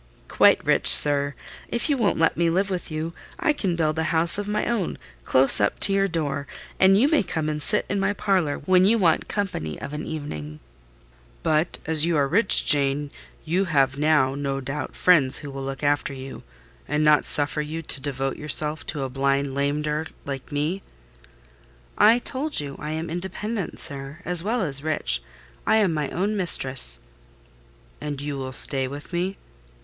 "Quite rich, sir. If you won't let me live with you, I can build a house of my own close up to your door, and you may come and sit in my parlour when you want company of an evening." "But as you are rich, Jane, you have now, no doubt, friends who will look after you, and not suffer you to devote yourself to a blind lameter like me?" "I told you I am independent, sir, as well as rich: I am my own mistress." "And you will stay with me?"